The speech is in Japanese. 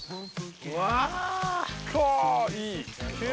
うわ！わいい。